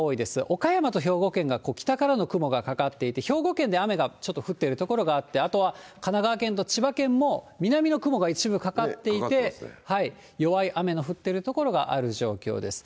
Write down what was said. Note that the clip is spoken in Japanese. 岡山と兵庫県が、北からの雲がかかっていて、兵庫県で雨がちょっと降ってる所があって、あとは神奈川県と千葉県も、南の雲が一部かかっていて、弱い雨の降っている所がある状況です。